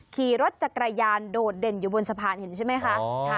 ขี่รถจักรยานโดดเด่นอยู่บนสะพานเห็นใช่ไหมคะ